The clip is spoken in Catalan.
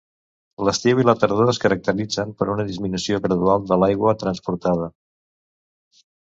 L'estiu i la tardor es caracteritzen per una disminució gradual de l'aigua transportada.